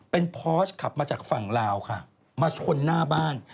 เป็นพอสขับมาจากฝั่งลาวค่ะมาชนหน้าบ้าน